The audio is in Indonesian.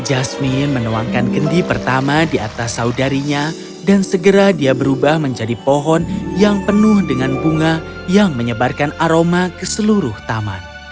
jasmine menuangkan kendi pertama di atas saudarinya dan segera dia berubah menjadi pohon yang penuh dengan bunga yang menyebarkan aroma ke seluruh taman